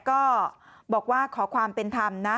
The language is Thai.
ก็บอกว่าขอความเป็นธรรมนะ